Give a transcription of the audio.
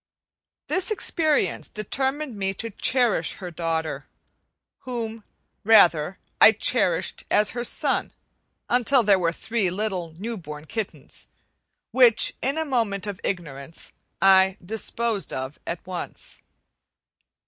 This experience determined me to cherish her daughter, whom, rather, I cherished as her son, until there were three little new born kittens, which in a moment of ignorance I "disposed of" at once.